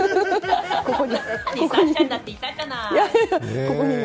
何よ、さっちゃんだっていたじゃない。